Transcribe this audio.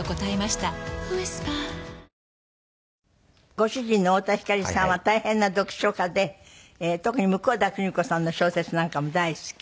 ご主人の太田光さんは大変な読書家で特に向田邦子さんの小説なんかも大好き？